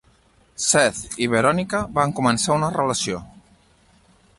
Seth i Veronica van començar una relació.